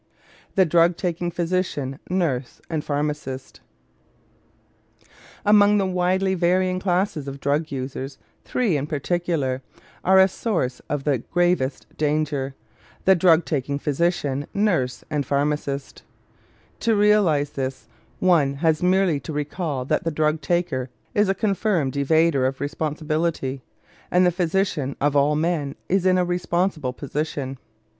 THE DRUG TAKING PHYSICIAN, NURSE, AND PHARMACIST Among the widely varying classes of drug users, three in particular are a source of the gravest danger: the drug taking physician, nurse, and pharmacist. To realize this, one has merely to recall that the drug taker is a confirmed evader of responsibility; and the physician, of all men, is in a responsible position.